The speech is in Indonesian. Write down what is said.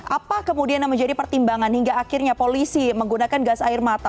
apa kemudian yang menjadi pertimbangan hingga akhirnya polisi menggunakan gas air mata